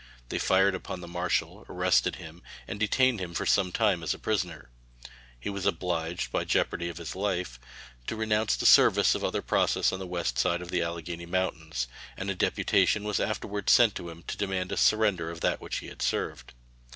They fired upon the marshal, arrested him, and detained him for some time as a prisoner. He was obliged, by the jeopardy of his life, to renounce the service of other process on the west side of the Allegheny Mountain, and a deputation was afterwards sent to him to demand a surrender of that which he had served.